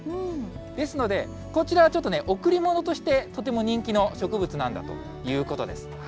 ですので、こちらはちょっとね、贈り物としてとても人気の植物なんだということです。